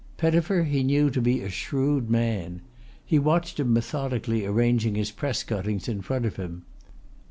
Pettifer he knew to be a shrewd man. He watched him methodically arranging his press cuttings in front of him.